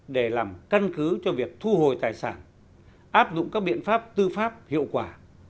để làm căn cứ cho việc thu hồi tài sản áp dụng các biện pháp tư pháp hiệu quả